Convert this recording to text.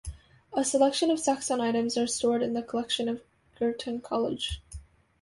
A selection of Saxon items are stored in the collection of Girton College.